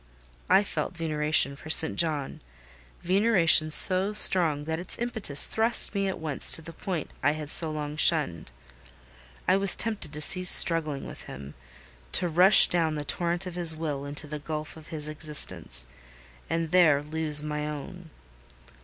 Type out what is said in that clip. I felt veneration for St. John—veneration so strong that its impetus thrust me at once to the point I had so long shunned. I was tempted to cease struggling with him—to rush down the torrent of his will into the gulf of his existence, and there lose my own.